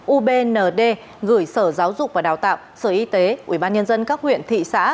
ubnd gửi sở giáo dục và đào tạo sở y tế ubnd các huyện thị xã